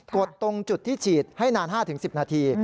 ตรงจุดที่ฉีดให้นาน๕๑๐นาที